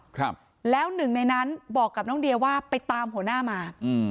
ครับแล้วหนึ่งในนั้นบอกกับน้องเดียว่าไปตามหัวหน้ามาอืม